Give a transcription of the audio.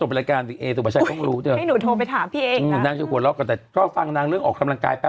เมื่อกี้บอกพี่เอนะก็ไม่รู้